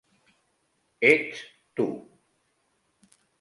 "Ets" tu.